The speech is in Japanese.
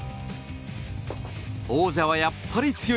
王者はやっぱり強い！